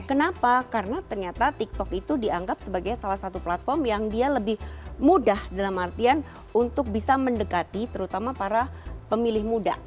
kenapa karena ternyata tiktok itu dianggap sebagai salah satu platform yang dia lebih mudah dalam artian untuk bisa mendekati terutama para pemilih muda